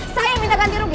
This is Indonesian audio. saya yang minta ganti rugi